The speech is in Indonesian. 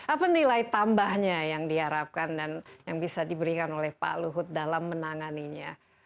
apa nilai tambahnya yang diharapkan dan yang bisa diberikan oleh pak luhut dalam menanganinya